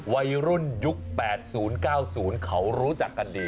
วัยรุ่นยุค๘๐๙๐เขารู้จักกันดี